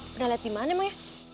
pernah lihat dimana emang ya